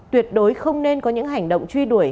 tuyệt đối không nên có những hành động truy đuổi